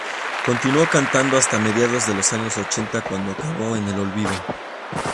Continuó cantando hasta mediados de los años ochenta cuando acabó en el olvido.